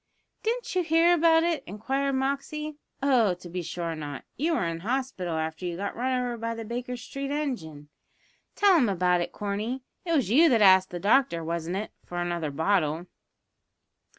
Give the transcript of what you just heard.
"Didn't you hear about it?" inquired Moxey. "Oh, to be sure not; you were in hospital after you got run over by the Baker Street engine. Tell him about it, Corney. It was you that asked the doctor, wasn't it, for another bottle?"